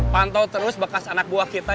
pantau terus bekas anak buah kita